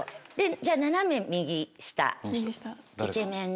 じゃあ斜め右下イケメンで。